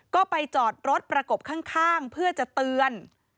ก็ไปจอดรถประกบข้างเพื่อจะเตือน